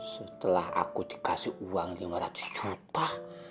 setelah aku dikasih uang lima ratus juta